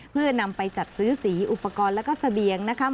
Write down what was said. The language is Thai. เพื่อนำไปจัดซื้อสีอุปกรณ์แล้วก็เสบียงนะคะ